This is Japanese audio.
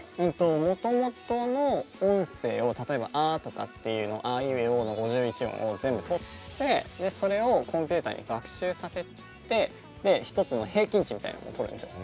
もともとの音声を例えば「あ」とかっていうのをあいうえおの５１音を全部とってそれをコンピューターに学習させてで一つの平均値みたいなのを取るんですよ。